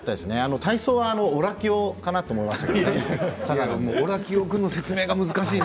体操はオラキオかなと思いました。